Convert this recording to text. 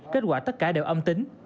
kết quả tất cả đều âm tính